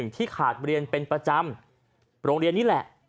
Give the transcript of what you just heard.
ที่ขาดเรียนเป็นประจำโรงเรียนนี่แหละ